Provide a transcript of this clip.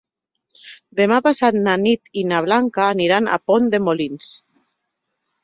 Demà passat na Nit i na Blanca aniran a Pont de Molins.